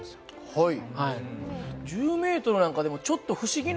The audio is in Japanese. はい。